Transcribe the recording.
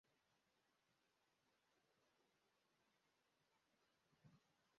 Umusore ufite ubwanwa yicaye ku nkombe yigitanda asoma igitabo